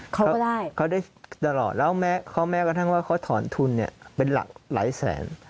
เขาก็ได้เขาได้ตลอดแล้วเขาแม้กระทั่งว่าเขาถอนทุนเนี่ยเป็นหลักหลายแสน